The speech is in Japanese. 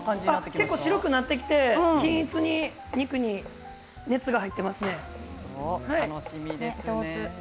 結構、白くなってきて均一に肉に熱が入っていますね。